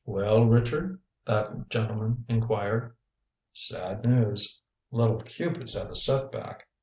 "Well, Richard?" that gentleman inquired. "Sad news. Little Cupid's had a set back.